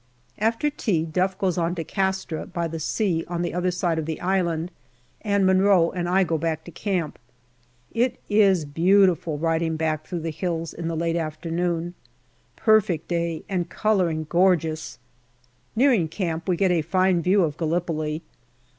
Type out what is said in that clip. After tea, Duff goes on to Castra, by the sea on the other side of the island, and Munro and I go back to camp. It is beautiful riding back through the hills in the late after noon. Perfect day and colouring gorgeous. Nearing camp we get a fine view of Gallipoli.